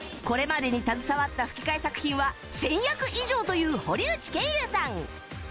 これまでに携わった吹き替え作品は１０００役以上という堀内賢雄さん